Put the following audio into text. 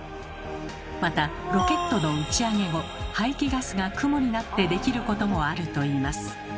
またロケットの打ち上げ後排気ガスが雲になってできることもあるといいます。